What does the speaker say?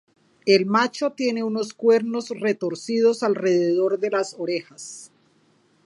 El macho tiene unos cuernos retorcidos alrededor de las orejas.